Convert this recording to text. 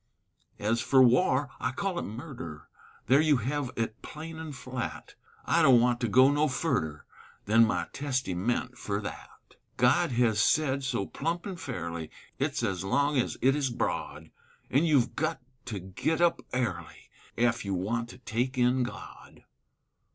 Ez fer war, I call it murder, There you hev it plain an' flat; I don't want to go no furder Than my Testyment fer that; God hez sed so plump an' fairly, It's ez long ez it is broad, An' you've gut to git up airly Ef you want to take in God.